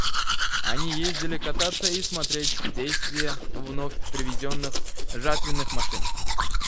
Они ездили кататься и смотреть действие вновь привезенных жатвенных машин.